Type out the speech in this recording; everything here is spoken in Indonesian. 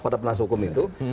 pada penasihat hukum itu